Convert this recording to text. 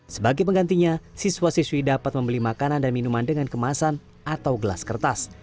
sebagai penggantinya siswa siswi dapat membeli makanan dan minuman dengan kemasan atau gelas kertas